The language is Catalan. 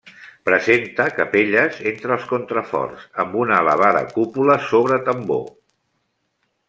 Presenta capelles entre els contraforts, amb una elevada cúpula sobre tambor.